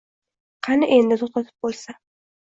Qani endi toʼxtatib boʼlsa…